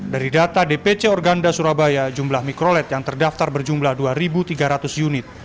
dari data dpc organda surabaya jumlah mikrolet yang terdaftar berjumlah dua tiga ratus unit